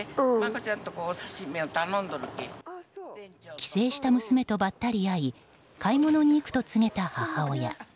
帰省した娘とばったり会い買い物に行くと告げた母親。